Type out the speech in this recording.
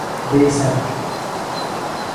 deysan?